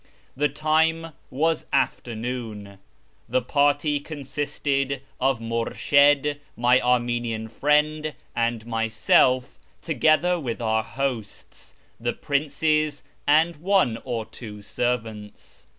The time was afternoon. The party consisted of IMurshid, my Armenian friend, and myself, together with our hosts, the princes, and one or two servants.